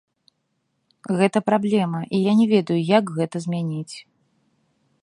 Гэта праблема, і я не ведаю, як гэта змяніць.